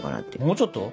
もうちょっと？